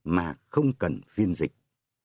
mà không cần viên dịch